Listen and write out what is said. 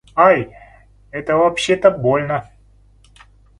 Ай! Это вообще-то больно!